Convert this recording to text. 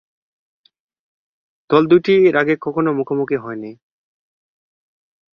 দল দুইটি এর আগে কখনও মুখোমুখি হয়নি।